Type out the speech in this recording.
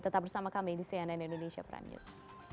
tetap bersama kami di cnn indonesia prime news